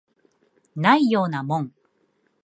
ないようなもん